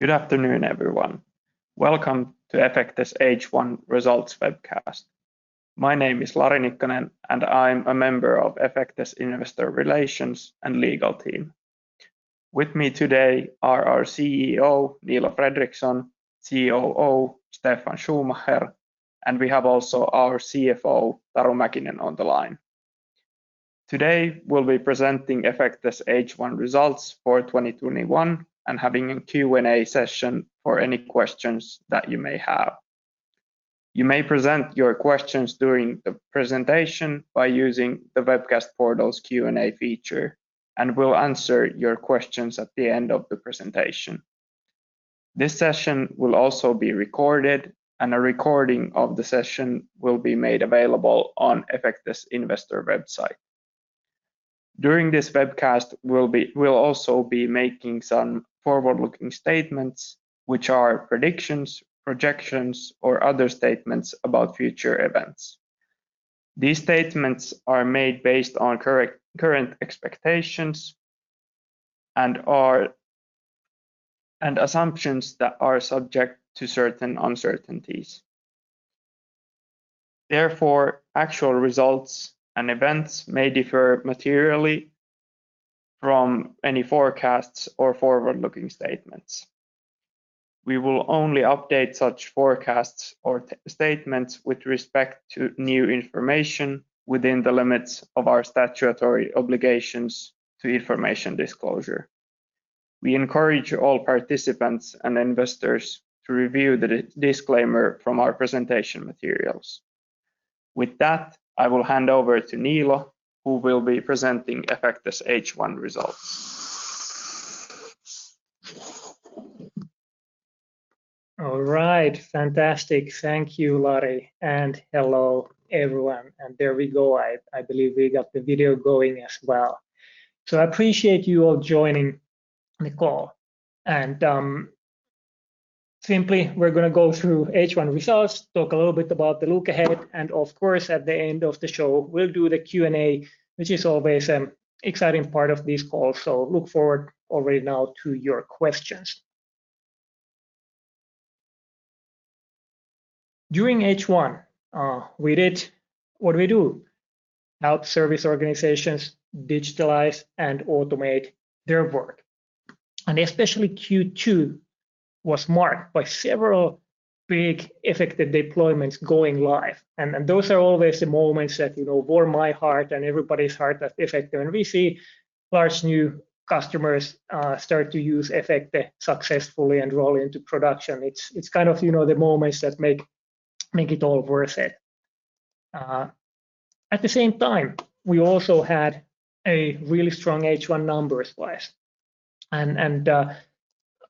Good afternoon, everyone. Welcome to Efecte's H1 results webcast. My name is Lari Nikkanen, and I'm a member of Efecte's investor relations and legal team. With me today are our CEO, Niilo Fredrikson, COO, Steffan Schumacher, and we have also our CFO, Taru Mäkinen, on the line. Today, we'll be presenting Efecte's H1 results for 2021 and having a Q&A session for any questions that you may have. You may present your questions during the presentation by using the webcast portal's Q&A feature, and we'll answer your questions at the end of the presentation. This session will also be recorded, and a recording of the session will be made available on Efecte's investor website. During this webcast, we'll also be making some forward-looking statements, which are predictions, projections, or other statements about future events. These statements are made based on current expectations and assumptions that are subject to certain uncertainties. Therefore, actual results and events may differ materially from any forecasts or forward-looking statements. We will only update such forecasts or statements with respect to new information within the limits of our statutory obligations to information disclosure. We encourage all participants and investors to review the disclaimer from our presentation materials. With that, I will hand over to Niilo, who will be presenting Efecte's H1 results. All right. Fantastic. Thank you, Lari, and hello, everyone. There we go. I believe we got the video going as well. I appreciate you all joining the call. Simply, we're going to go through H1 results, talk a little bit about the look ahead, and of course, at the end of the show, we'll do the Q&A, which is always an exciting part of these calls. Look forward already now to your questions. During H1, we did what we do, help service organizations digitalize and automate their work. Especially Q2 was marked by several big Efecte deployments going live. Those are always the moments that warm my heart and everybody's heart at Efecte when we see large new customers start to use Efecte successfully and roll into production. It's kind of the moments that make it all worth it. At the same time, we also had a really strong H1 numbers-wise. We're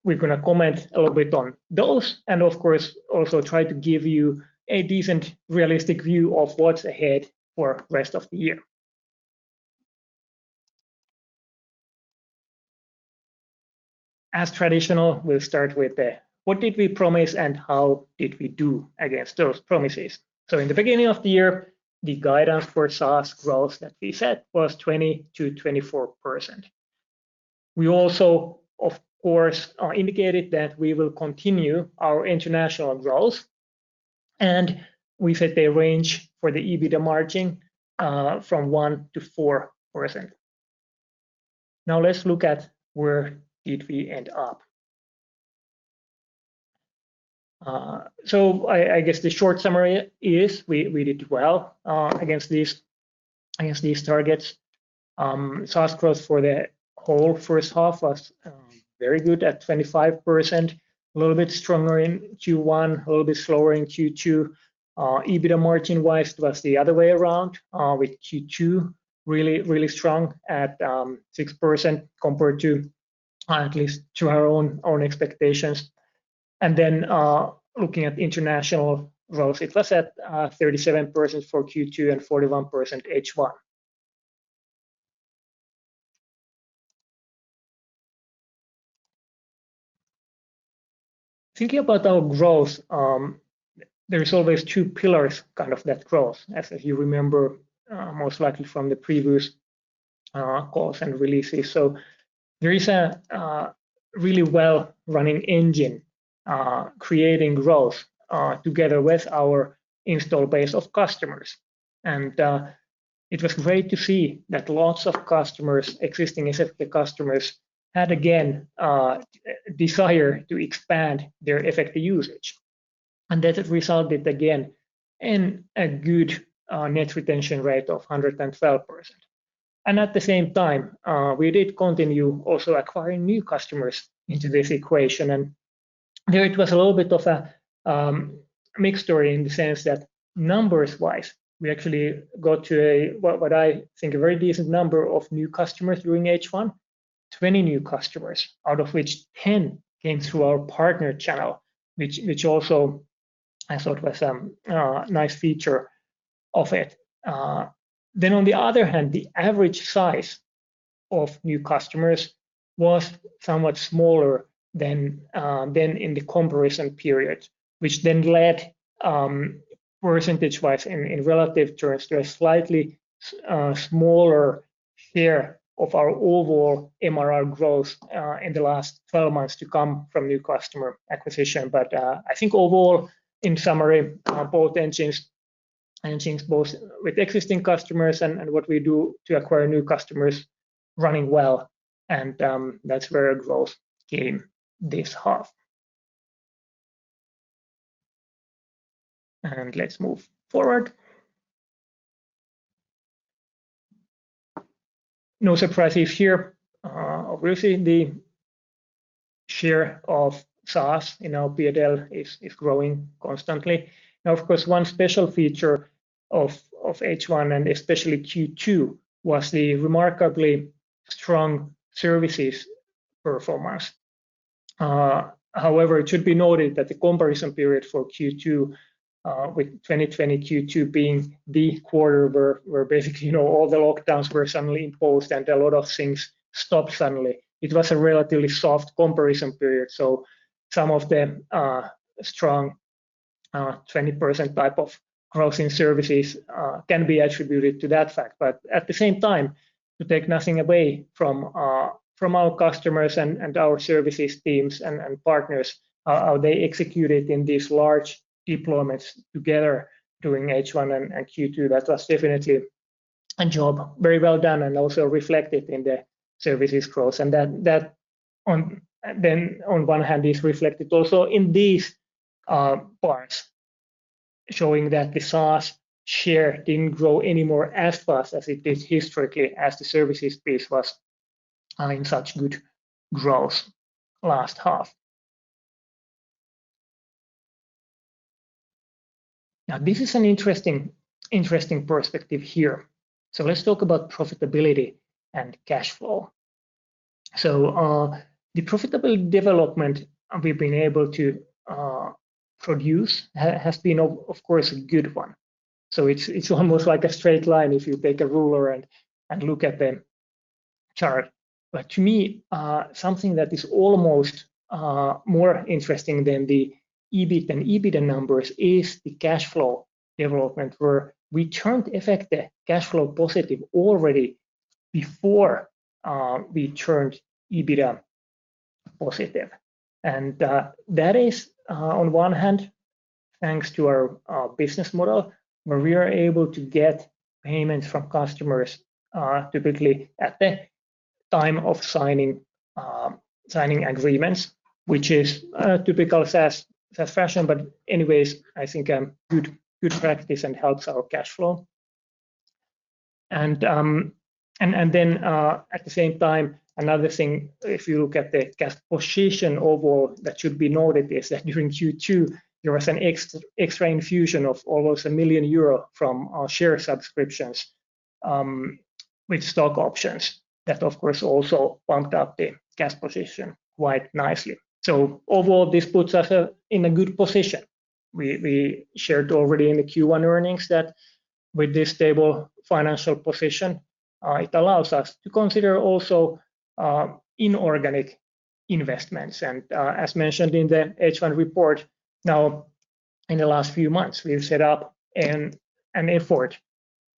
going to comment a little bit on those and, of course, also try to give you a decent, realistic view of what's ahead for rest of the year. As tradition, we'll start with what did we promise and how did we do against those promises? In the beginning of the year, the guidance for SaaS growth that we set was 20%-24%. We also, of course, indicated that we will continue our international growth, and we set the range for the EBITDA margin from 1%-4%. Now let's look at where did we end up. I guess the short summary is we did well against these targets. SaaS growth for the whole first half was very good at 25%, a little bit stronger in Q1, a little bit slower in Q2. EBITDA margin-wise was the other way around, with Q2 really, really strong at 6% compared to at least to our own expectations. Looking at international growth, it was at 37% for Q2 and 41% H1. Thinking about our growth, there is always two pillars kind of that growth, as you remember most likely from the previous calls and releases. There is a really well-running engine creating growth together with our install base of customers. It was great to see that lots of existing Efecte customers had, again, desire to expand their Efecte usage, and that it resulted, again, in a good net retention rate of 112%. At the same time, we did continue also acquiring new customers into this equation. There it was a little bit of a mixed story in the sense that numbers-wise, we actually got to what I think a very decent number of new customers during H1, 20 new customers, out of which 10 came through our partner channel, which also I thought was a nice feature of it. On the other hand, the average size of new customers was somewhat smaller than in the comparison period, which then led percentage-wise, in relative terms, there's slightly smaller share of our overall MRR growth in the last 12 months to come from new customer acquisition. I think overall, in summary, on both engines, both with existing customers and what we do to acquire new customers, running well, and that's where our growth came this half. Let's move forward. No surprises here. Obviously, the share of SaaS in our P&L is growing constantly. Of course, one special feature of H1 and especially Q2 was the remarkably strong services performance. It should be noted that the comparison period for Q2 with 2020 Q2 being the quarter where basically all the lockdowns were suddenly imposed and a lot of things stopped suddenly, it was a relatively soft comparison period. Some of the strong 20% type of growth in services can be attributed to that fact. At the same time, to take nothing away from our customers and our services teams and partners, how they executed in these large deployments together during H1 and Q2, that was definitely a job very well done and also reflected in the services growth. On one hand, it's reflected also in these parts, showing that the SaaS share didn't grow anymore as fast as it did historically, as the services piece was in such good growth last half. This is an interesting perspective here. Let's talk about profitability and cash flow. The profitable development we've been able to produce has been, of course, a good one. It's almost like a straight line if you take a ruler and look at the chart. To me, something that is almost more interesting than the EBIT and EBITDA numbers is the cash flow development, where we turned, in fact, the cash flow positive already before we turned EBITDA positive. That is, on one hand, thanks to our business model, where we are able to get payments from customers typically at the time of signing agreements, which is typical SaaS fashion. Anyways, I think a good practice and helps our cash flow. Then at the same time, another thing, if you look at the cash position overall, that should be noted is that during Q2, there was an extra infusion of almost 1 million euro from our share subscriptions with stock options. That, of course, also bumped up the cash position quite nicely. Overall, this puts us in a good position. We shared already in the Q1 earnings that with this stable financial position, it allows us to consider also inorganic investments. As mentioned in the H1 report, now in the last few months, we've set up an effort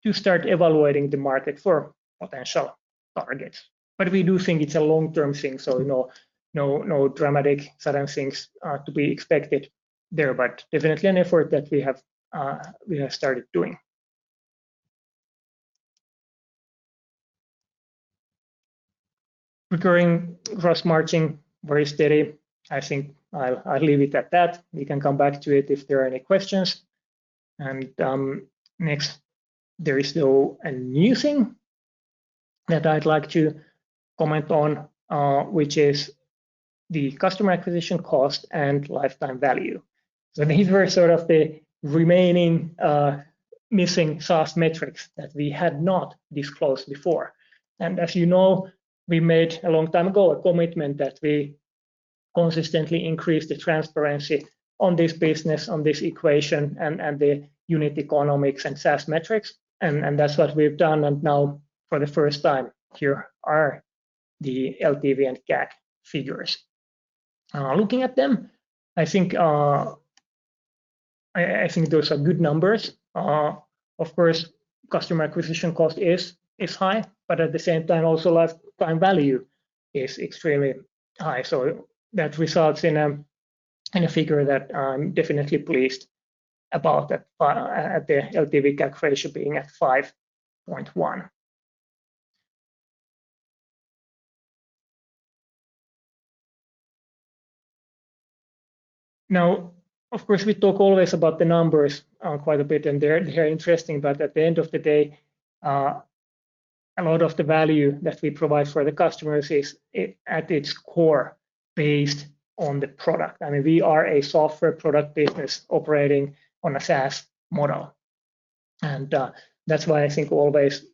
to start evaluating the market for potential targets. We do think it's a long-term thing, so no dramatic sudden things are to be expected there, but definitely an effort that we have started doing. Recurring gross margin, very steady. I think I'll leave it at that. We can come back to it if there are any questions. Next, there is still a new thing that I'd like to comment on, which is the Customer Acquisition Cost and Lifetime Value. These were sort of the remaining missing SaaS metrics that we had not disclosed before. As you know, we made a long time ago a commitment that we consistently increase the transparency on this business, on this equation, and the unit economics and SaaS metrics, and that's what we've done. Now, for the first time, here are the LTV and CAC figures. Looking at them, I think those are good numbers. Of course, customer acquisition cost is high, but at the same time, also lifetime value is extremely high. That results in a figure that I'm definitely pleased about that at the LTV/CAC ratio being at 5.1. Now, of course, we talk always about the numbers quite a bit, and they're interesting, but at the end of the day, a lot of the value that we provide for the customers is at its core based on the product. I mean, we are a software product business operating on a SaaS model. That's why I think always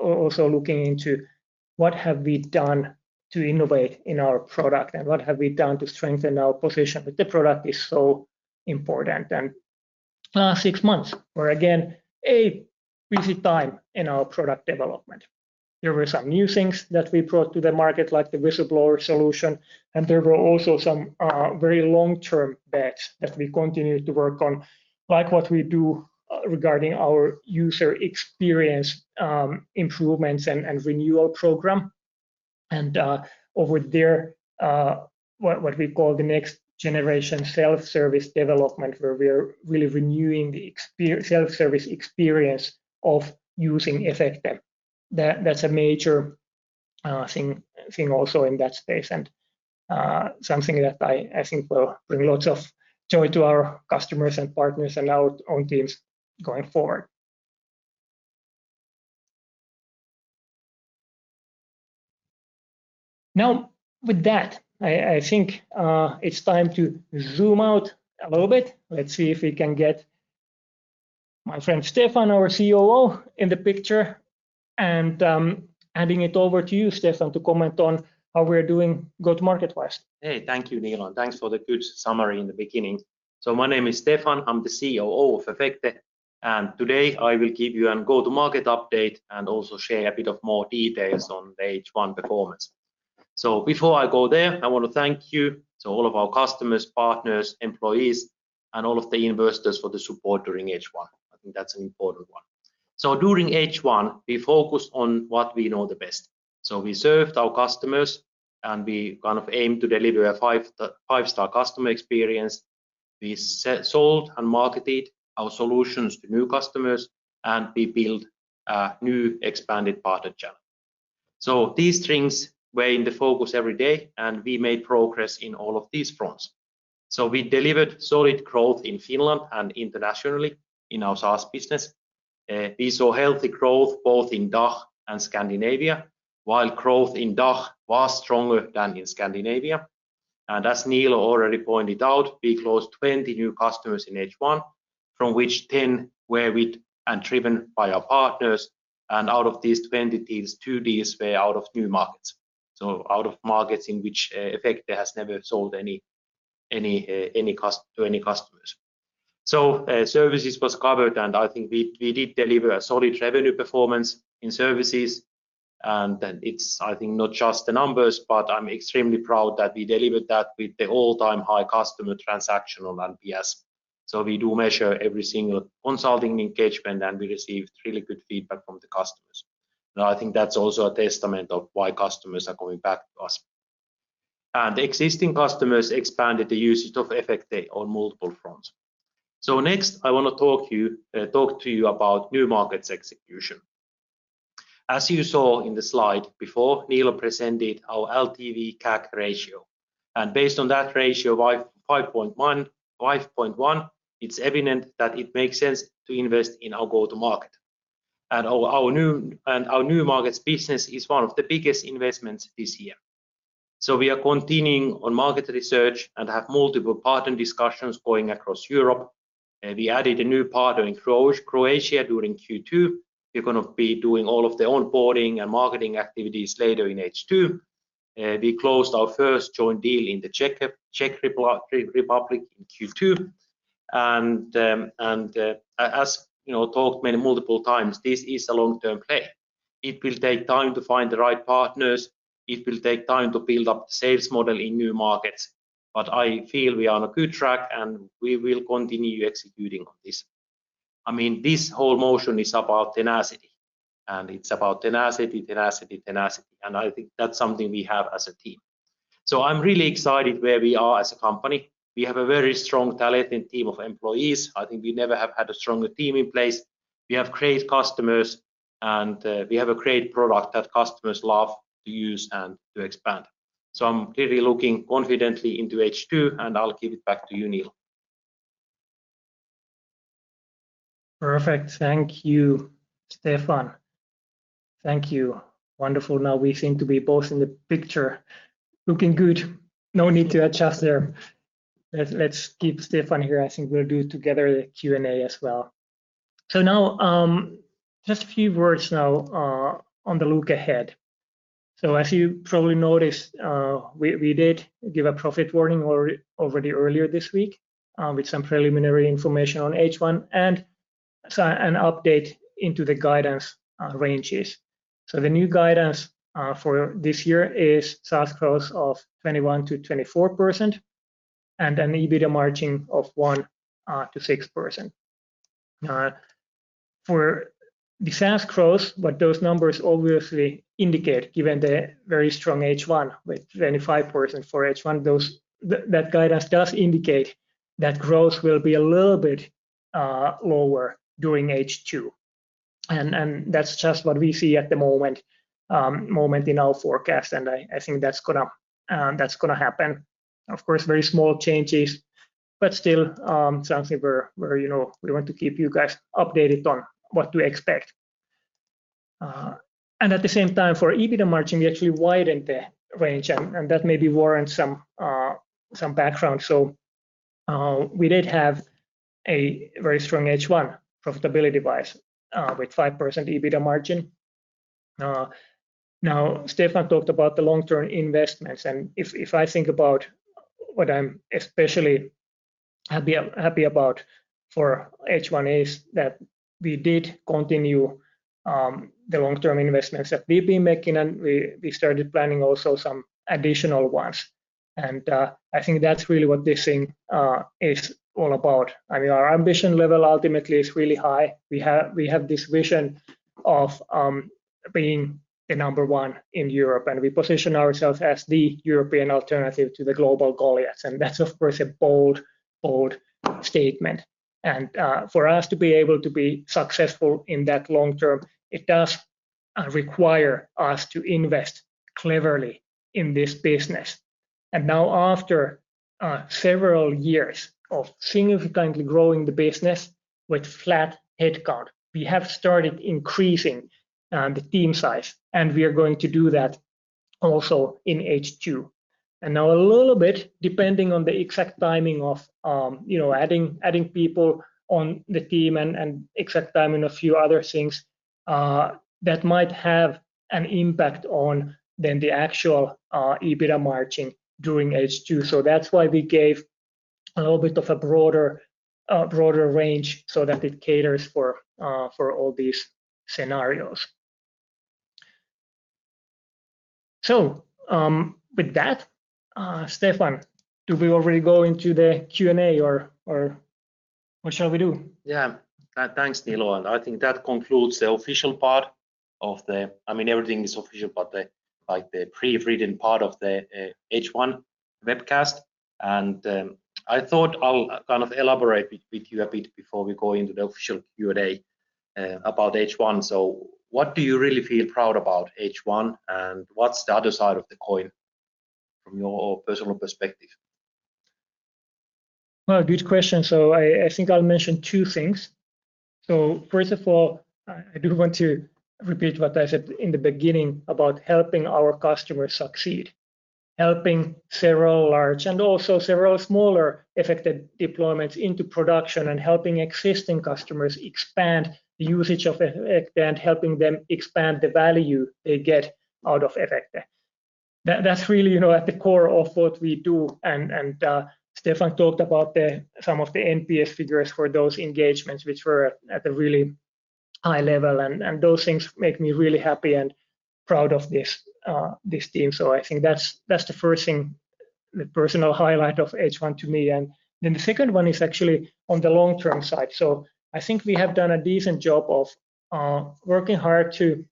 also looking into what have we done to innovate in our product and what have we done to strengthen our position with the product is so important. Last six months were again a busy time in our product development. There were some new things that we brought to the market, like the Whistleblower Solution, and there were also some very long-term bets that we continued to work on, like what we do regarding our user experience improvements and renewal program. Over there, what we call the Next Generation Self-Service development, where we're really renewing the self-service experience of using Efecte. That's a major thing also in that space, and something that I think will bring lots of joy to our customers and partners and our own teams going forward. With that, I think it's time to zoom out a little bit. Let's see if we can get my friend Steffan, our COO, in the picture, and handing it over to you, Steffan, to comment on how we're doing go-to-market wise. Hey, thank you, Niilo, and thanks for the good summary in the beginning. My name is Steffan, I'm the COO of Efecte, and today I will give you a go-to-market update and also share a bit of more details on the H1 performance. Before I go there, I want to thank you, all of our customers, partners, employees, and all of the investors for the support during H1. I think that's an important one. During H1, we focused on what we know the best. We served our customers, and we kind of aimed to deliver a five-star customer experience. We sold and marketed our solutions to new customers, and we build a new expanded partner channel. These things were in the focus every day, and we made progress in all of these fronts. We delivered solid growth in Finland and internationally in our SaaS business. We saw healthy growth both in DACH and Scandinavia, while growth in DACH was stronger than in Scandinavia. As Niilo already pointed out, we closed 20 new customers in H1, from which 10 were with and driven by our partners, and out of these 20 deals, two deals were out of new markets. Out of markets in which Efecte has never sold to any customers. Services was covered, and I think we did deliver a solid revenue performance in services. It's, I think, not just the numbers, but I'm extremely proud that we delivered that with the all-time high customer transactional NPS. We do measure every single consulting engagement, and we received really good feedback from the customers. I think that's also a testament of why customers are coming back to us. Existing customers expanded the usage of Efecte on multiple fronts. Next, I want to talk to you about new markets execution. As you saw in the slide before, Niilo presented our LTV:CAC ratio. Based on that ratio, 5.1, it's evident that it makes sense to invest in our go-to-market. Our new markets business is one of the biggest investments this year. We are continuing on market research and have multiple partner discussions going across Europe. We added a new partner in Croatia during Q2, who are going to be doing all of their onboarding and marketing activities later in H2. We closed our first joint deal in the Czech Republic in Q2. As talked multiple times, this is a long-term play. It will take time to find the right partners. It will take time to build up the sales model in new markets. I feel we are on a good track, and we will continue executing on this. This whole motion is about tenacity, and it's about tenacity. I think that's something we have as a team. I'm really excited where we are as a company. We have a very strong, talented team of employees. I think we never have had a stronger team in place. We have great customers, and we have a great product that customers love to use and to expand. I'm clearly looking confidently into H2, and I'll give it back to you, Niilo. Perfect. Thank you, Steffan. Thank you. Wonderful. We seem to be both in the picture looking good. No need to adjust there. Let's keep Steffan here. I think we'll do together the Q&A as well. Just a few words now on the look ahead. As you probably noticed, we did give a profit warning already earlier this week with some preliminary information on H1 and an update into the guidance ranges. The new guidance for this year is SaaS growth of 21%-24% and an EBITDA margin of 1%-6%. For the SaaS growth, what those numbers obviously indicate, given the very strong H1 with 25% for H1, that guidance does indicate that growth will be a little bit lower during H2. That's just what we see at the moment in our forecast, and I think that's going to happen. Of course, very small changes, but still something where we want to keep you guys updated on what to expect. At the same time, for EBITDA margin, we actually widened the range, and that maybe warrants some background. We did have a very strong H1 profitability-wise with 5% EBITDA margin. Steffan talked about the long-term investments, and if I think about what I'm especially happy about for H1 is that we did continue the long-term investments that we've been making, and we started planning also some additional ones. I think that's really what this thing is all about. Our ambition level ultimately is really high. We have this vision of being the number one in Europe, and we position ourselves as the European alternative to the global goliaths. That's, of course, a bold statement. For us to be able to be successful in that long term, it does require us to invest cleverly in this business. Now, after several years of significantly growing the business with flat headcount, we have started increasing the team size, and we are going to do that also in H2. Now, a little bit, depending on the exact timing of adding people on the team and exact timing, a few other things that might have an impact on then the actual EBITDA margin during H2. That's why we gave a little bit of a broader range so that it caters for all these scenarios. With that, Steffan, do we already go into the Q&A, or what shall we do? Yeah. Thanks, Niilo, I think that concludes the official part of the Everything is official, but the pre-read part of the H1 webcast. I thought I'll kind of elaborate with you a bit before we go into the official Q&A about H1. What do you really feel proud about H1, and what's the other side of the coin from your personal perspective? Well, good question. I think I'll mention two things. First of all, I do want to repeat what I said in the beginning about helping our customers succeed, helping several large and also several smaller Efecte deployments into production, and helping existing customers expand the usage of Efecte and helping them expand the value they get out of Efecte. That's really at the core of what we do, and Steffan talked about some of the NPS figures for those engagements, which were at a really high level, and those things make me really happy and proud of this team. I think that's the first thing, the personal highlight of H1 to me. The second one is actually on the long-term side. I think we have done a decent job of working hard to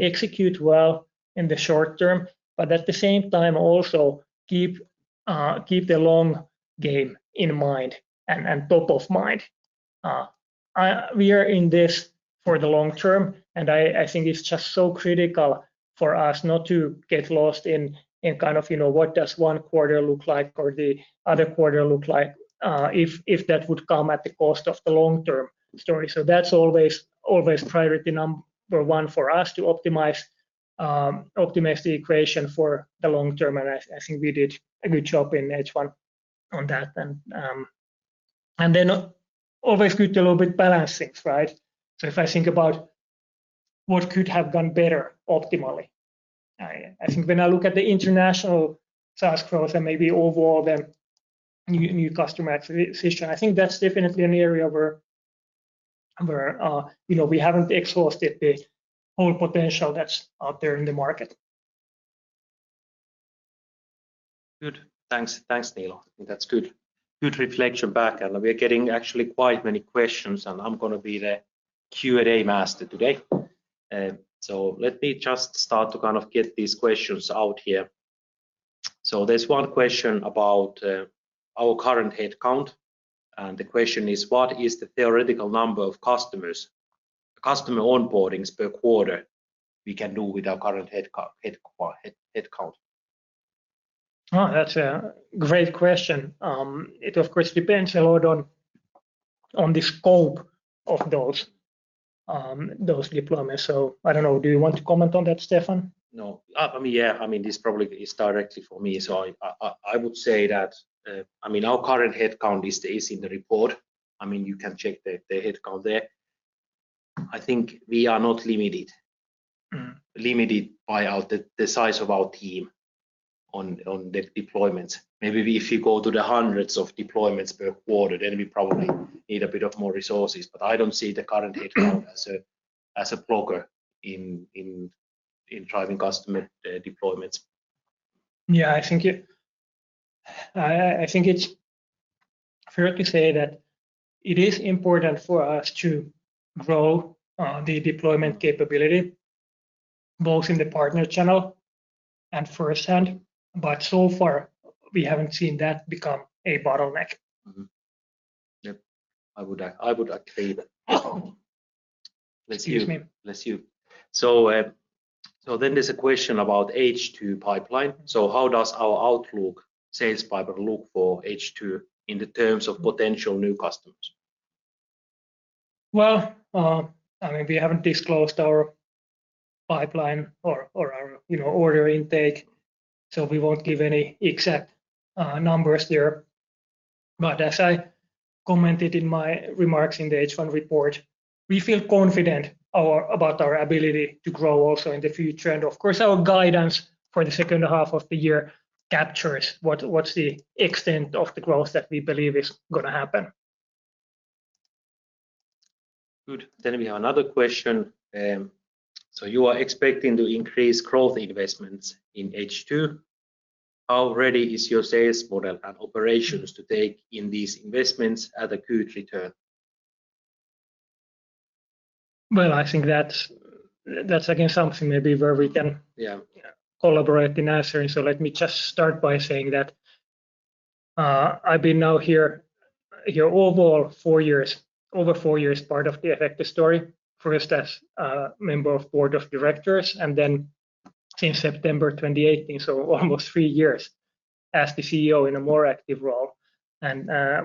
execute well in the short term, but at the same time, also keep the long game in mind and top of mind. We are in this for the long term, and I think it's just so critical for us not to get lost in kind of, what does one quarter look like or the other quarter look like if that would come at the cost of the long-term story. That's always priority number one for us to optimize the equation for the long term, and I think we did a good job in H1 on that then. Always good to do a little bit balancing, right? If I think about what could have gone better optimally, I think when I look at the international sales growth and maybe overall the new customer acquisition, I think that's definitely an area where we haven't exhausted the whole potential that's out there in the market. Good. Thanks, Niilo. I think that's good reflection back. We are getting actually quite many questions, and I'm going to be the Q&A master today. Let me just start to kind of get these questions out here. There's one question about our current head count, and the question is, what is the theoretical number of customer onboardings per quarter we can do with our current head count? Oh, that's a great question. It, of course, depends a lot on the scope of those deployments. I don't know. Do you want to comment on that, Steffan? No. Yeah. This probably is directly for me. I would say that our current headcount is in the report. You can check the headcount there. I think we are not limited. Limited by the size of our team on the deployments. Maybe if you go to the hundreds of deployments per quarter, then we probably need a bit of more resources, but I don't see the current headcount as a blocker in driving customer deployments. Yeah, I think it's fair to say that it is important for us to grow the deployment capability both in the partner channel and firsthand, but so far, we haven't seen that become a bottleneck. Mm-hmm. Yep. I would agree with that. Excuse me. Bless you. Bless you. There's a question about H2 pipeline. How does our outlook sales pipeline look for H2 in the terms of potential new customers? Well, we haven't disclosed our pipeline or our order intake, so we won't give any exact numbers there. As I commented in my remarks in the H1 report, we feel confident about our ability to grow also in the future. Of course, our guidance for the second half of the year captures what's the extent of the growth that we believe is going to happen. Good. We have another question. You are expecting to increase growth investments in H2. How ready is your sales model and operations to take in these investments at a good return? Well, I think that's again something maybe- Yeah -collaborate in answering. Let me just start by saying that I've been now here over four years, part of the Efecte story, first as a member of board of directors and then since September 2018, almost three years as the CEO in a more active role.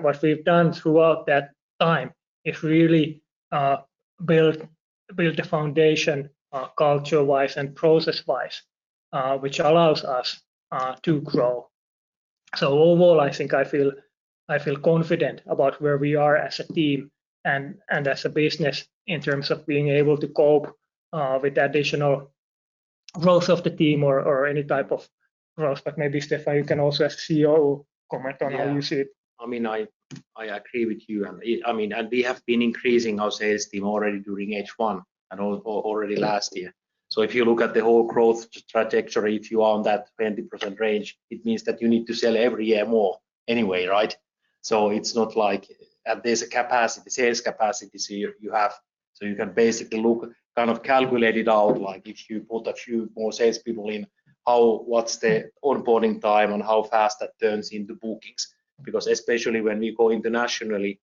What we've done throughout that time is really build the foundation culture-wise and process-wise, which allows us to grow. Overall, I think I feel confident about where we are as a team and as a business in terms of being able to cope with the additional growth of the team or any type of growth. Maybe, Steffan, you can also as CEO, comment on how you see it. I agree with you. We have been increasing our sales team already during H1 and already last year. If you look at the whole growth trajectory, if you are on that 20% range, it means that you need to sell every year more anyway, right? It's not like there's a sales capacity you have. You can basically look kind of calculate it out, like if you put a few more salespeople in, what's the onboarding time and how fast that turns into bookings. Especially when we go internationally,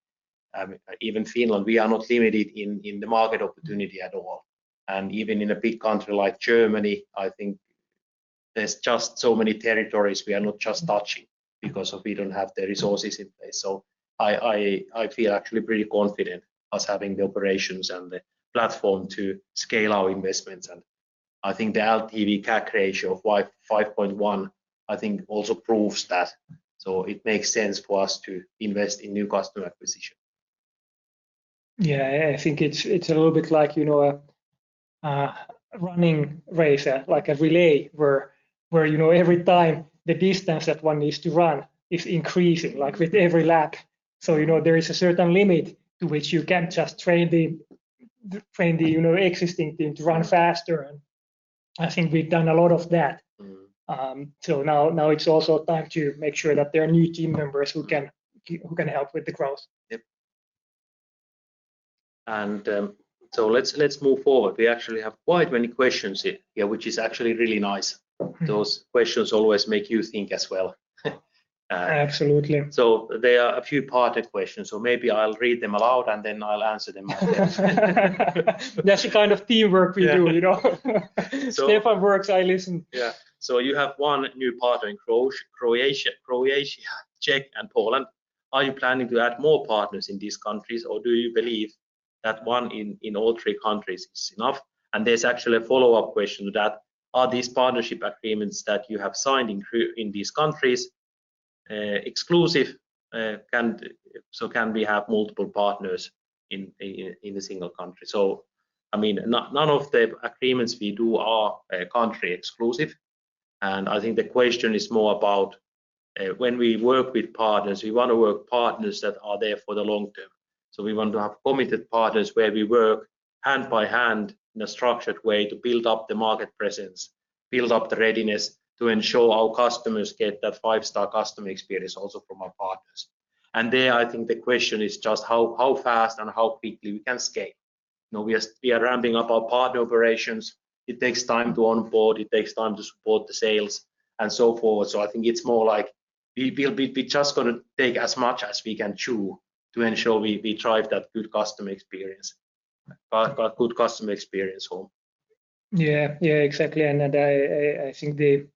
even Finland, we are not limited in the market opportunity at all. Even in a big country like Germany, I think there's just so many territories we are not just touching because we don't have the resources in place. I feel actually pretty confident us having the operations and the platform to scale our investments, and I think the LTV:CAC ratio of 5.1, I think also proves that. It makes sense for us to invest in new customer acquisition. I think it's a little bit like a running race, like a relay where every time the distance that one needs to run is increasing with every lap. There is a certain limit to which you can just train the existing team to run faster, and I think we've done a lot of that till now. Now it's also time to make sure that there are new team members who can help with the growth. Yep. Let's move forward. We actually have quite many questions here, which is actually really nice. Those questions always make you think as well. Absolutely. They are a few parted questions, so maybe I'll read them aloud and then I'll answer them. That's the kind of teamwork we do. Steffan works, I listen. You have one new partner in Croatia, Czech and Poland. Are you planning to add more partners in these countries, or do you believe that one in all three countries is enough? There's actually a follow-up question to that. Are these partnership agreements that you have signed in these countries exclusive? Can we have multiple partners in a single country? None of the agreements we do are country exclusive. I think the question is more about when we work with partners, we want to work partners that are there for the long term. We want to have committed partners where we work hand by hand in a structured way to build up the market presence, build up the readiness to ensure our customers get that five-star customer experience also from our partners. There, I think the question is just how fast and how quickly we can scale. We are ramping up our partner operations. It takes time to onboard, it takes time to support the sales and so forth. I think it's more like we just going to take as much as we can chew to ensure we drive that good customer experience, but good customer experience home. Yeah, exactly. I think the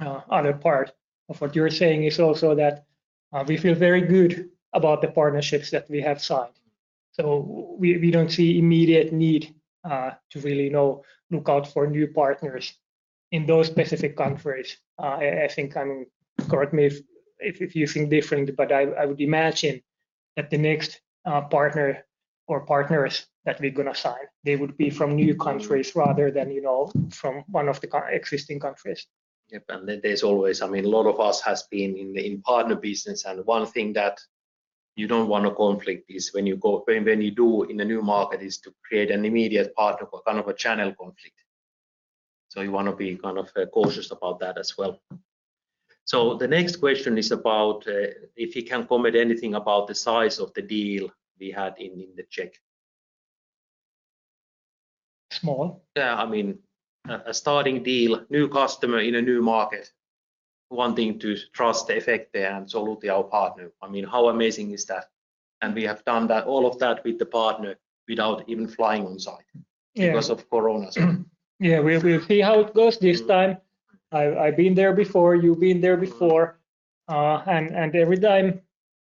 other part of what you're saying is also that we feel very good about the partnerships that we have signed. We don't see immediate need to really look out for new partners in those specific countries. Correct me if you think differently, but I would imagine that the next partner or partners that we're going to sign, they would be from new countries rather than from one of the existing countries. Yep. A lot of us has been in partner business, one thing that you don't want to conflict is when you do in a new market, is to create an immediate partner, kind of a channel conflict. You want to be kind of cautious about that as well. The next question is about if you can comment anything about the size of the deal we had in the Czech. Small. Yeah, a starting deal, new customer in a new market wanting to trust Efecte and Solutia our partner. How amazing is that? We have done all of that with the partner without even flying on site because of corona. Yeah. We'll see how it goes this time. I've been there before. You've been there before. Every time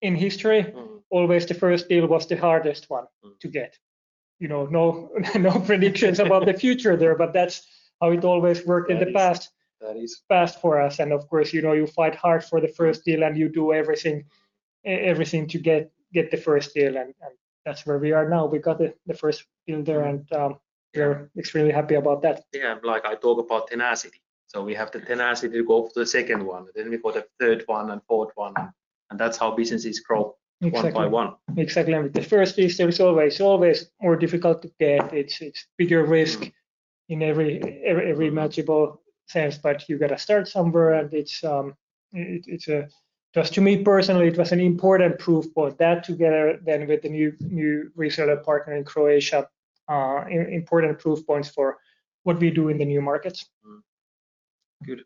in history, always the first deal was the hardest one to get. No predictions about the future there, but that's how it always worked in the past. That is- past for us. Of course, you fight hard for the first deal, and you do everything to get the first deal, and that's where we are now. We got the first deal there, and we're extremely happy about that. Yeah. I talk about tenacity. We have the tenacity to go for the second one, then we go to third one and fourth one, that's how businesses grow. Exactly One by one. Exactly. The first piece there is always more difficult to get. It's bigger risk in every imaginable sense. You got to start somewhere, and to me personally, it was an important proof. Both that together then with the new reseller partner in Croatia, important proof points for what we do in the new markets. Good.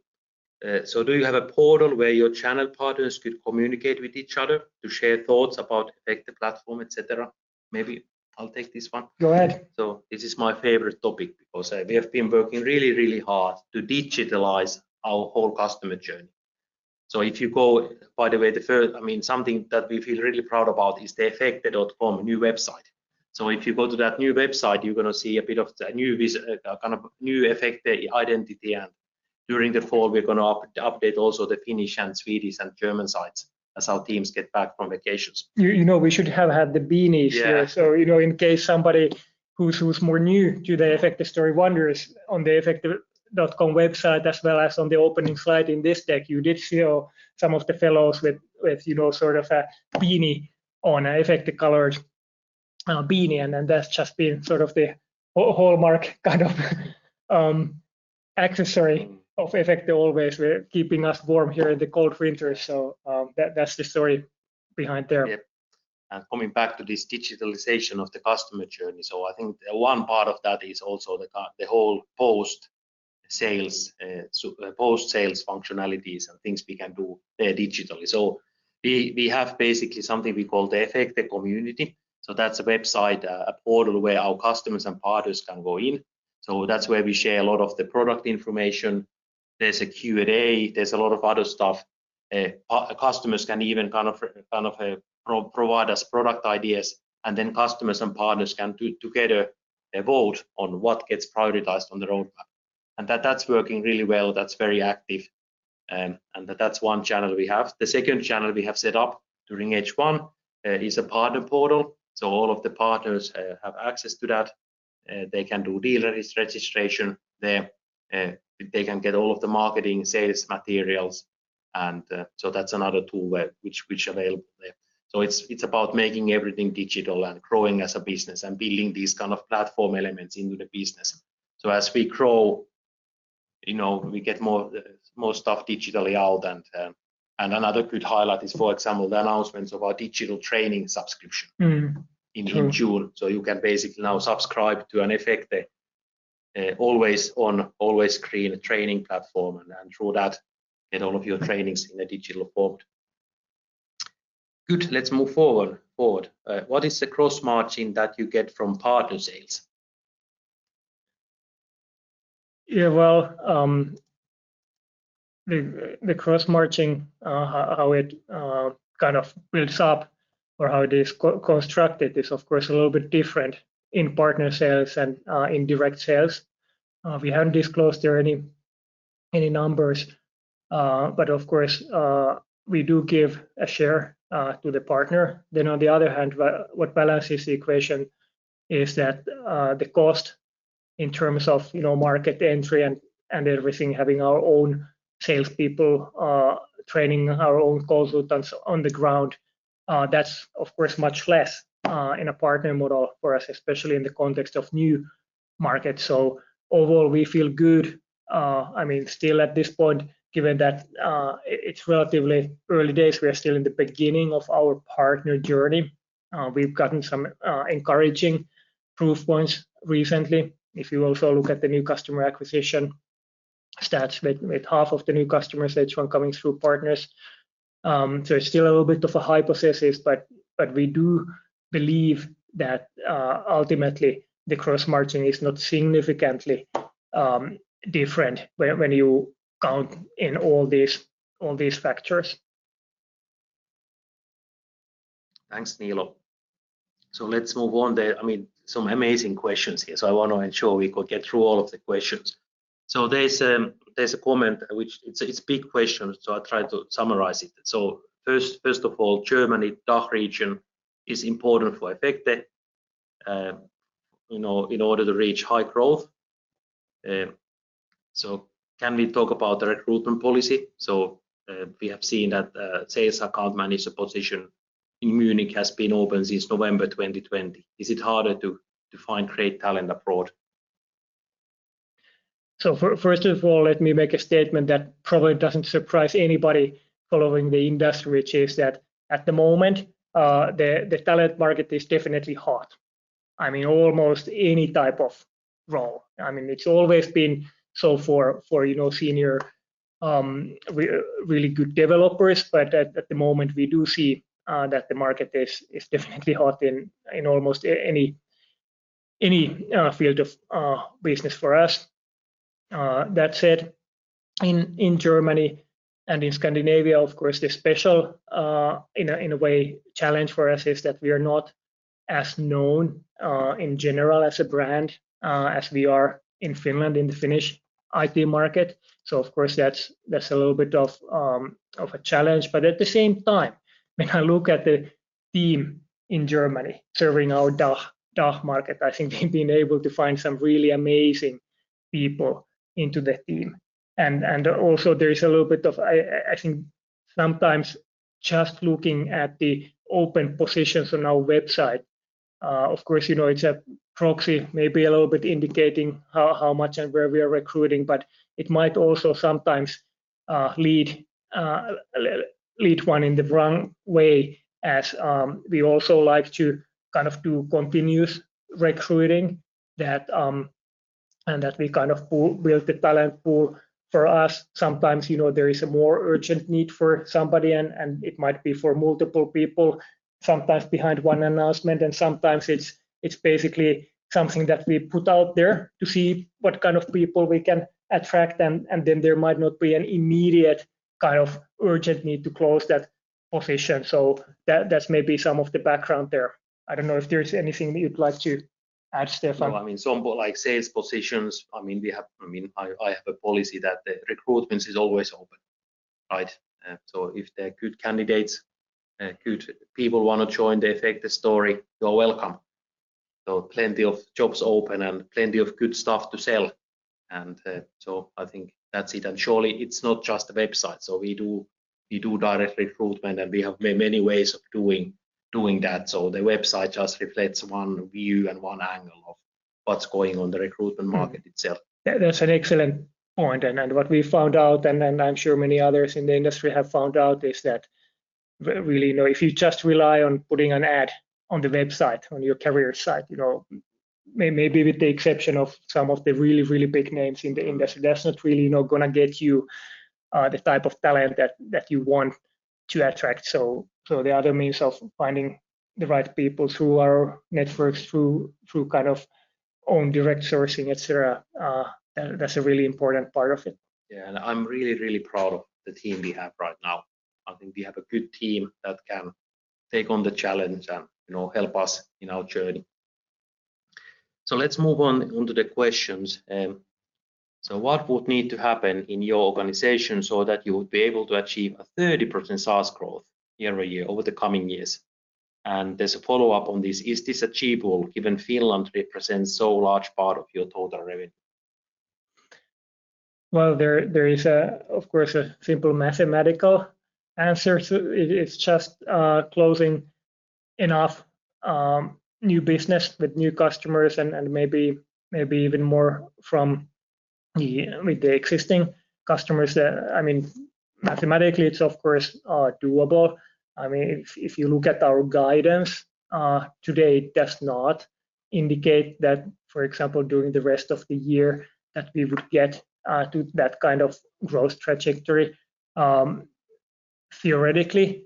Do you have a portal where your channel partners could communicate with each other to share thoughts about Efecte Platform, et cetera? Maybe I'll take this one. Go ahead. This is my favorite topic because we have been working really hard to digitalize our whole customer journey. If you go, by the way, something that we feel really proud about is the Efecte.com new website. If you go to that new website, you're going to see a new Efecte identity. During the fall, we're going to update also the Finnish and Swedish and German sites as our teams get back from vacations. We should have had the beanies there. Yeah. In case somebody who's more new to the Efecte story wonders on the efecte.com website as well as on the opening slide in this deck, you did see some of the fellows with a beanie on, an Efecte-colored beanie, and that's just been the hallmark kind of accessory of Efecte always. We're keeping us warm here in the cold winter. That's the story behind there. Yeah. Coming back to this digitalization of the customer journey, I think one part of that is also the whole post-sales functionalities and things we can do there digitally. We have basically something we call the Efecte Community. That's a website, a portal where our customers and partners can go in. That's where we share a lot of the product information. There's a Q&A, there's a lot of other stuff. Customers can even provide us product ideas, customers and partners can together vote on what gets prioritized on the roadmap. That's working really well. That's very active. That's one channel we have. The second channel we have set up during H1 is a partner portal. All of the partners have access to that. They can do deal registration there. They can get all of the marketing sales materials. That's another tool which available there. It's about making everything digital and growing as a business and building these kind of platform elements into the business. As we grow, we get more stuff digitally out. Another good highlight is, for example, the announcements of our digital training subscription. True. in June. You can basically now subscribe to an Efecte always on, always screen training platform, and through that, get all of your trainings in a digital port. Good. Let's move forward. What is the gross margin that you get from partner sales? The gross margin, how it builds up or how it is constructed is, of course, a little bit different in partner sales and in direct sales. We haven't disclosed there any numbers. We do give a share to the partner. What balances the equation is that the cost in terms of market entry and everything, having our own salespeople, training our own consultants on the ground, that's of course much less in a partner model for us, especially, in the context of new markets. Overall, we feel good. Given that it's relatively early days, we are still in the beginning of our partner journey. We've gotten some encouraging proof points recently. If you also look at the new customer acquisition stats, with half of the new customers, H1, coming through partners. It's still a little bit of a hypothesis, but we do believe that ultimately the gross margin is not significantly different when you count in all these factors. Thanks, Niilo. Let's move on. Some amazing questions here, I want to ensure we could get through all of the questions. There's a comment which it's big question, I'll try to summarize it. First of all, Germany, DACH region is important for Efecte in order to reach high growth. Can we talk about the recruitment policy? We have seen that sales account manager position in Munich has been open since November 2020. Is it harder to find great talent abroad? First of all, let me make a statement that probably doesn't surprise anybody following the industry, which is that at the moment, the talent market is definitely hot. Almost any type of role. It's always been so for senior really good developers. At the moment, we do see that the market is definitely hot in almost any field of business for us. That said, in Germany and in Scandinavia, of course, the special, in a way, challenge for us is that we are not as known in general as a brand as we are in Finland in the Finnish IT market. Of course, that's a little bit of a challenge. At the same time, when I look at the team in Germany serving our DACH market, I think we've been able to find some really amazing people into the team. Also there is a little bit of, I think sometimes just looking at the open positions on our website, of course, it's a proxy, maybe a little bit indicating how much and where we are recruiting, but it might also sometimes lead one in the wrong way as we also like to do continuous recruiting, and that we build the talent pool for us. Sometimes there is a more urgent need for somebody, and it might be for multiple people, sometimes behind one announcement, and sometimes it's basically something that we put out there to see what kind of people we can attract, and then there might not be an immediate urgent need to close that position. That's maybe some of the background there. I don't know if there's anything you'd like to add, Steffan. On sales positions, I have a policy that the recruitment is always open, right? If there are good candidates good people want to join the Efecte story, you're welcome. Plenty of jobs open and plenty of good stuff to sell, I think that's it. Surely it's not just the website. We do direct recruitment, and we have many ways of doing that. The website just reflects one view and one angle of what's going on the recruitment market itself. Yeah, that's an excellent point. What we found out, and I'm sure many others in the industry have found out, is that really if you just rely on putting an ad on the website, on your career site, maybe with the exception of some of the really, really big names in the industry, that's not really going to get you the type of talent that you want to attract. The other means of finding the right people through our networks, through own direct sourcing, et cetera that's a really important part of it. Yeah. I'm really proud of the team we have right now. I think we have a good team that can take on the challenge and help us in our journey. Let's move on to the questions. What would need to happen in your organization so that you would be able to achieve a 30% SaaS growth year-over-year over the coming years? There's a follow-up on this: Is this achievable given Finland represents so large part of your total revenue? Well, there is, of course, a simple mathematical answer to it. It's just closing enough new business with new customers and maybe even more with the existing customers. Mathematically, it's of course doable. If you look at our guidance today, it does not indicate that, for example, during the rest of the year that we would get to that kind of growth trajectory. Theoretically,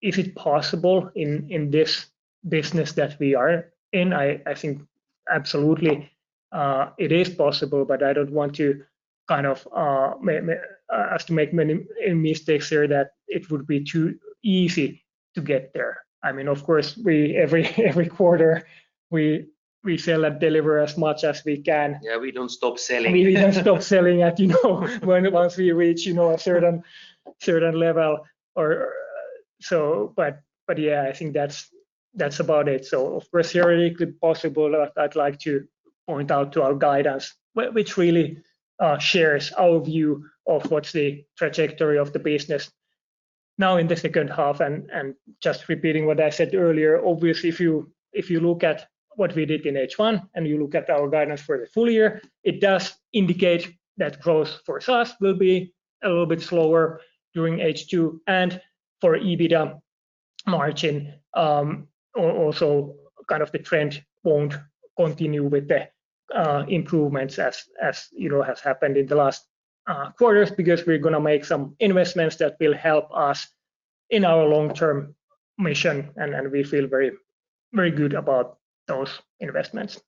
is it possible in this business that we are in? I think absolutely it is possible, but I don't want us to make many mistakes here that it would be too easy to get there. Of course, every quarter we sell and deliver as much as we can. Yeah, we don't stop selling. We don't stop selling once we reach a certain level. Yeah, I think that's about it. Of course, theoretically possible. I'd like to point out to our guidance, which really shares our view of what's the trajectory of the business now in the second half. Just repeating what I said earlier, obviously, if you look at what we did in H1 and you look at our guidance for the full year, it does indicate that growth for SaaS will be a little bit slower during H2. For EBITDA margin also the trend won't continue with the improvements as has happened in the last quarters because we're going to make some investments that will help us in our long-term mission, and we feel very good about those investments.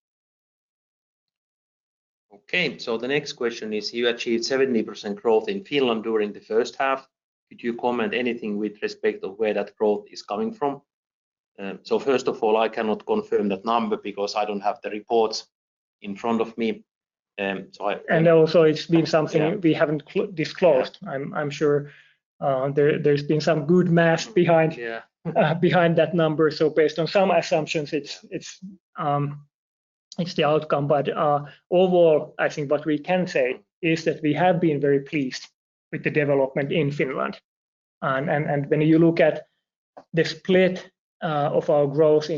Okay. The next question is, you achieved 70% growth in Finland during the first half. Could you comment anything with respect of where that growth is coming from? First of all, I cannot confirm that number because I don't have the reports in front of me. Also, it's been something we haven't disclosed. I'm sure there's been some good math behind. Yeah behind that number. Based on some assumptions, it's the outcome. Overall, I think what we can say is that we have been very pleased with the development in Finland. When you look at the split of our growth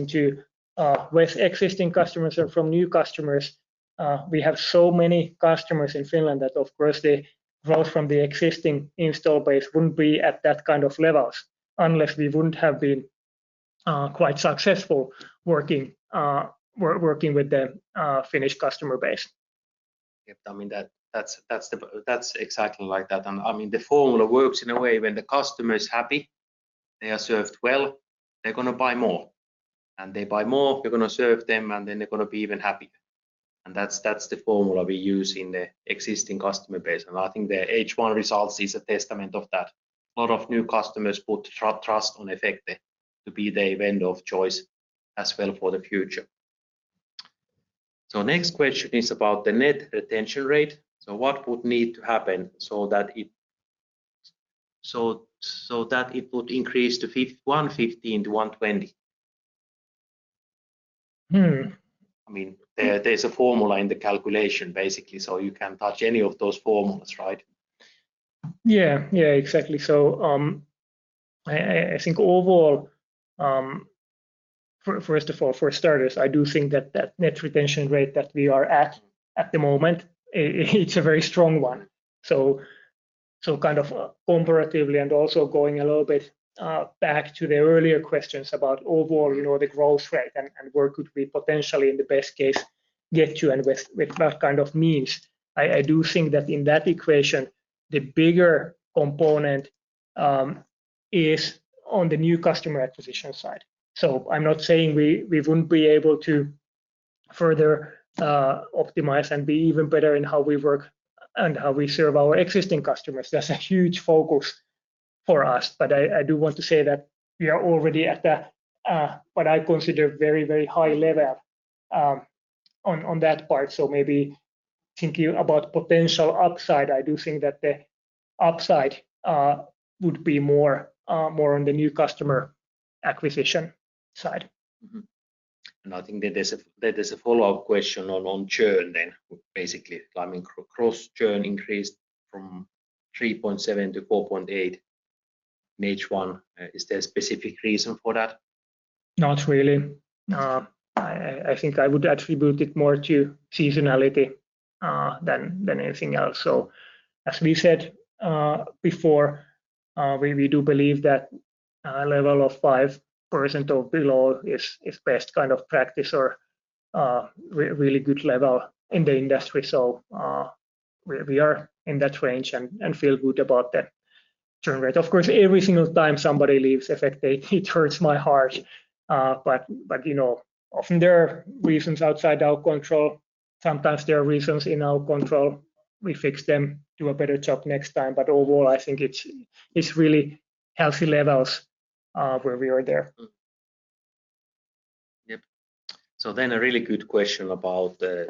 with existing customers and from new customers, we have so many customers in Finland that of course the growth from the existing install base wouldn't be at that kind of levels unless we wouldn't have been quite successful working with the Finnish customer base. Yep. That's exactly like that. The formula works in a way when the customer is happy. They are served well, they're going to buy more. They buy more, you're going to serve them, and then they're going to be even happier. That's the formula we use in the existing customer base. I think the H1 results is a testament of that. A lot of new customers put trust on Efecte to be their vendor of choice as well for the future. Next question is about the net retention rate. What would need to happen so that it would increase to 115%-120%? There's a formula in the calculation, basically, so you can touch any of those formulas, right? Yeah. Exactly. I think overall, first of all, for starters, I do think that net retention rate that we are at the moment, it's a very strong one. Comparatively and also going a little bit back to the earlier questions about overall, the growth rate and where could we potentially in the best case get to, and with what kind of means, I do think that in that equation, the bigger component is on the new customer acquisition side. I'm not saying we wouldn't be able to further optimize and be even better in how we work and how we serve our existing customers. That's a huge focus for us. I do want to say that we are already at what I consider very high level on that part. Maybe thinking about potential upside, I do think that the upside would be more on the new customer acquisition side. Mm-hmm. I think that there's a follow-up question on churn then, basically. gross churn increased from 3.7% to 4.8% in H1. Is there a specific reason for that? Not really. I think I would attribute it more to seasonality than anything else. As we said before, we do believe that a level of 5% or below is best kind of practice or really good level in the industry. We are in that range and feel good about that churn rate. Of course, every single time somebody leaves Efecte, it hurts my heart. Often there are reasons outside our control. Sometimes there are reasons in our control. We fix them, do a better job next time. Overall, I think it's really healthy levels, where we are there. Yep. A really good question.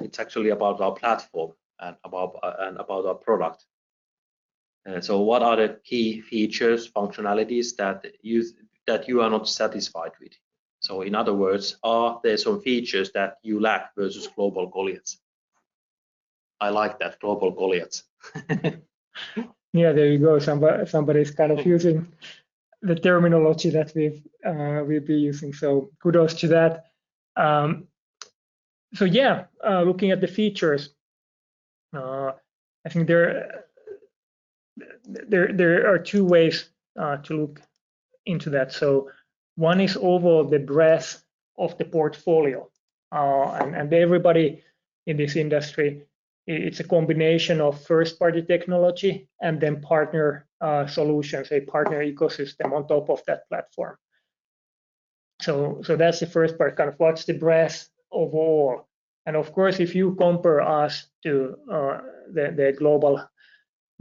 It's actually about our platform and about our product. What are the key features, functionalities that you are not satisfied with? In other words, are there some features that you lack versus global goliaths? I like that, global goliaths. Yeah, there you go. Somebody's kind of using the terminology that we've been using. Kudos to that. Yeah, looking at the features, I think there are two ways to look into that. One is overall the breadth of the portfolio. Everybody in this industry, it's a combination of first-party technology and then partner solutions, a partner ecosystem on top of that platform. That's the first part, kind of what's the breadth overall. Of course, if you compare us to the global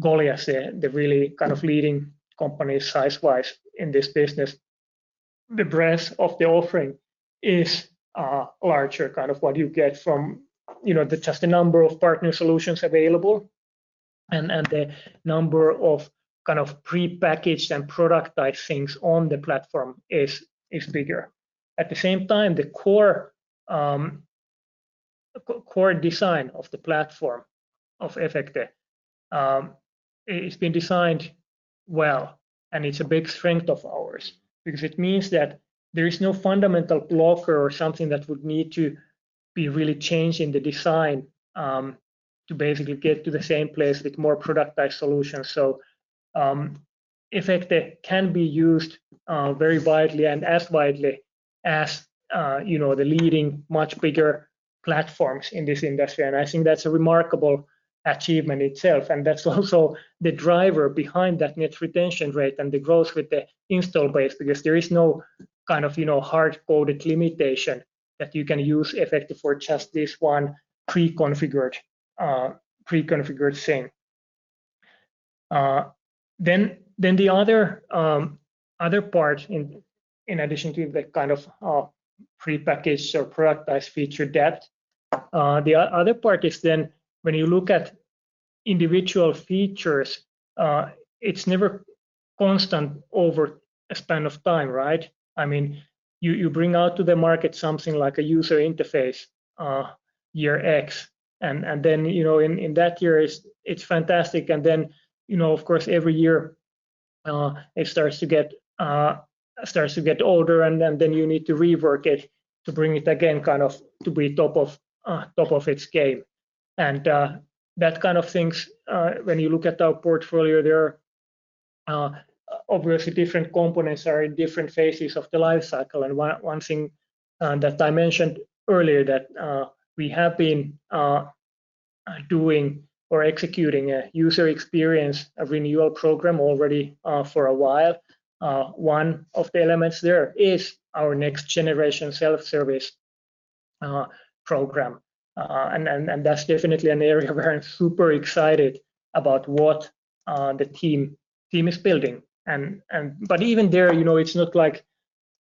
goliaths there, the really kind of leading companies size-wise in this business, the breadth of the offering is larger. Kind of what you get from just the number of partner solutions available and the number of kind of prepackaged and productized things on the platform is bigger. At the same time, the core design of the platform of Efecte, it's been designed well, and it's a big strength of ours because it means that there is no fundamental blocker or something that would need to be really changed in the design to basically get to the same place with more productized solutions. Efecte can be used very widely and as widely as the leading, much bigger platforms in this industry. I think that's a remarkable achievement itself. That's also the driver behind that net retention rate and the growth with the install base because there is no kind of hard-coded limitation that you can use Efecte for just this one pre-configured thing. The other part in addition to the kind of prepackaged or productized feature depth, the other part is then when you look at individual features, it's never constant over a span of time, right? You bring out to the market something like a user interface, year X, and then in that year it's fantastic and then, of course, every year it starts to get older and then you need to rework it to bring it again kind of to be top of its game. That kind of things, when you look at our portfolio, obviously different components are in different phases of the life cycle. One thing that I mentioned earlier that we have been doing or executing a user experience renewal program already for a while. One of the elements there is our next generation self-service program. That's definitely an area where I'm super excited about what the team is building. Even there,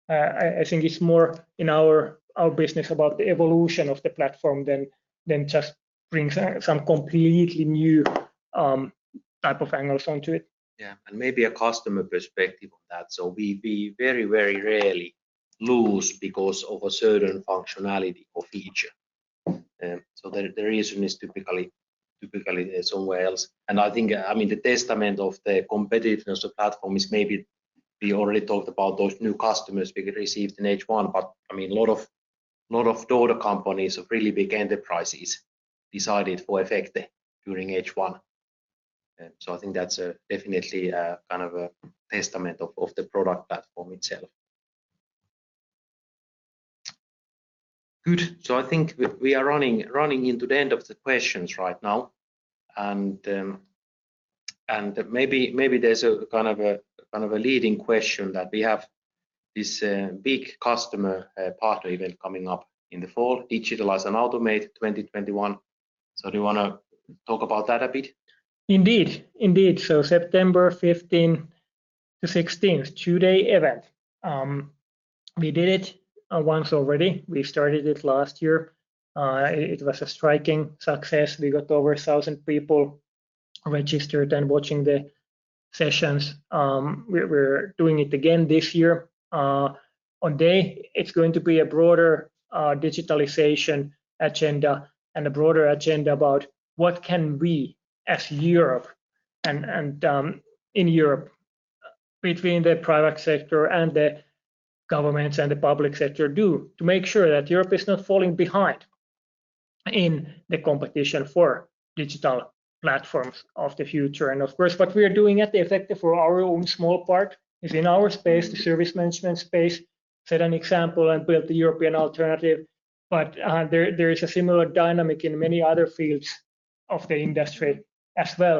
I think it's more in our business about the evolution of the platform than just brings some completely new type of angles onto it. Yeah. Maybe a customer perspective on that. We very rarely lose because of a certain functionality or feature. The reason is typically somewhere else. I think the testament of the competitiveness of platform is maybe we already talked about those new customers we received in H1, but a lot of daughter companies of really big enterprises decided for Efecte during H1. I think that's definitely a testament of the product platform itself. Good. I think we are running into the end of the questions right now, and maybe there's a leading question that we have this big customer partner event coming up in the fall, Digitalize and Automate 2021. Do you want to talk about that a bit? Indeed. September 15th-16th, two-day event. We did it once already. We started it last year. It was a striking success. We got over 1,000 people registered and watching the sessions. We're doing it again this year. On day, it's going to be a broader digitalization agenda and a broader agenda about what can we as Europe and in Europe between the private sector and the governments, and the public sector do to make sure that Europe is not falling behind in the competition for digital platforms of the future. Of course, what we are doing at Efecte for our own small part is in our space, the service management space, set an example and build the European alternative. There is a similar dynamic in many other fields of the industry as well.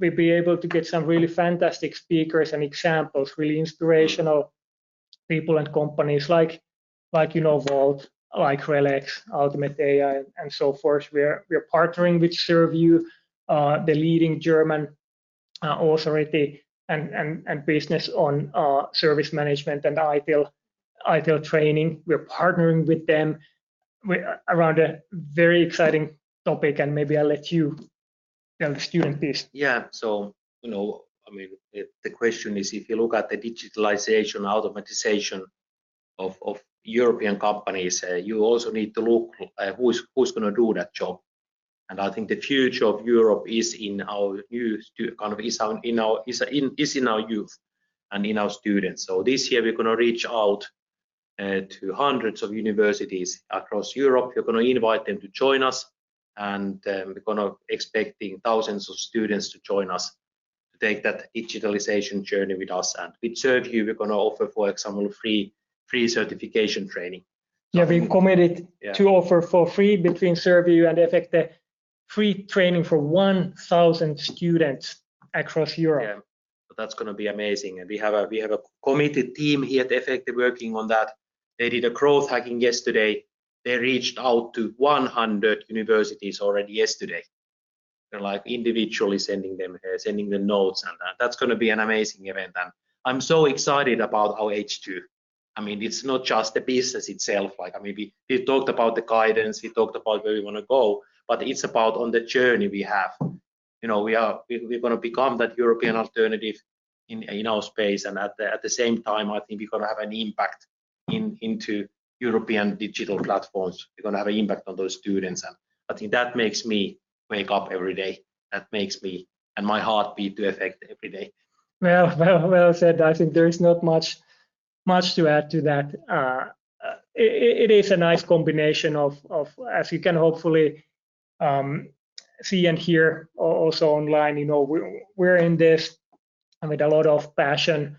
We'll be able to get some really fantastic speakers and examples, really inspirational people and companies like Wolt, like RELEX Solutions, Ultimate.ai, and so forth. We are partnering with SERVIEW, the leading German authority and business on service management and ITIL training. We're partnering with them around a very exciting topic, and maybe I'll let you tell the student this. Yeah. The question is, if you look at the digitalization, automatization of European companies, you also need to look at who's going to do that job. I think the future of Europe is in our youth and in our students. This year, we're going to reach out to hundreds of universities across Europe. We're going to invite them to join us, and we're going to expecting thousands of students to join us to take that digitalization journey with us. With SERVIEW, we're going to offer, for example, free certification training. Yeah, we've committed to offer for free between SERVIEW and Efecte, free training for 1,000 students across Europe. Yeah. That's going to be amazing. We have a committed team here at Efecte working on that. They did a growth hacking yesterday. They reached out to 100 universities already yesterday. They're individually sending them notes. That's going to be an amazing event. I'm so excited about our H2. It's not just the business itself. We talked about the guidance, we talked about where we want to go, but it's about on the journey we have. We're going to become that European alternative in our space, and at the same time, I think we're going to have an impact into European digital platforms. We're going to have an impact on those students. I think that makes me wake up every day, that makes me and my heart beat to Efecte every day. Well said. I think there is not much to add to that. It is a nice combination of, as you can hopefully see and hear also online, we're in this with a lot of passion.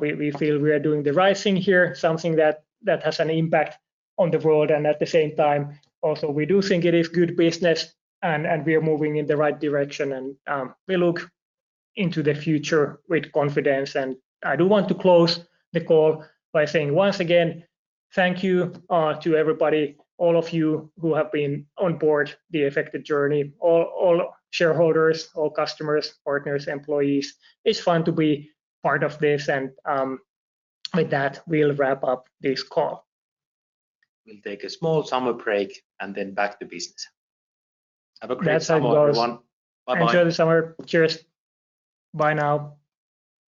We feel we are doing the right thing here, something that has an impact on the world. At the same time, also, we do think it is good business, and we are moving in the right direction, and we look into the future with confidence. I do want to close the call by saying once again, thank you to everybody, all of you who have been on board the Efecte journey, all shareholders, all customers, partners, employees. It's fun to be part of this. With that, we'll wrap up this call. We'll take a small summer break and then back to business. Have a great summer, everyone. That's how it goes. Bye-bye. Enjoy the summer. Cheers. Bye now.